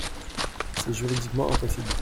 C’est juridiquement impossible.